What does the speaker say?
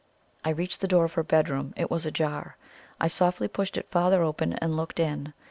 I reached the door of her bedroom it was ajar. I softly pushed it farther open, and looked in.